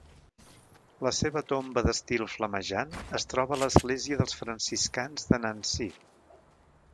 La seva tomba d'estil flamejant es troba a l'església dels Franciscans de Nancy.